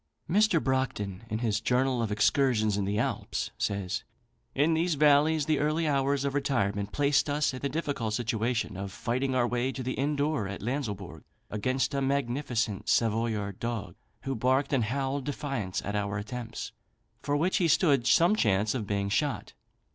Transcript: Mr. Brockedon, in his "Journal of Excursions in the Alps," says: "In these valleys, the early hours of retirement placed us in the difficult situation of fighting our way to the inn door at Lanslebourg against a magnificent Savoyard dog, who barked and howled defiance at our attempts, for which he stood some chance of being shot.